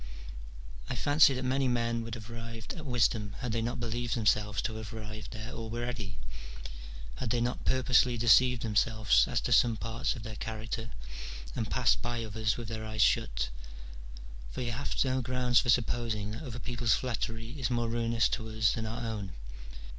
254 MINOR DIALOGUES. [bK. IX. I fancy that many men would have arrived at wisdom had they not believed themselves to have arrived there already, had they not purposely deceived themselves as to some parts of their character, and passed by others with their eyes shut : for you have no grounds for supposing that other people's flattery is more ruinous to us than our own.